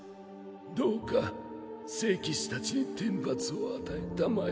どうか聖騎士たちに天罰を与えたまえ。